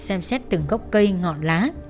xem xét từng gốc cây ngọn lá